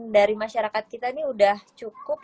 dari masyarakat kita ini udah cukup